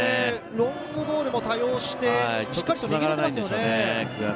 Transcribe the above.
ロングボールも多用してしっかりと見切れていますよね。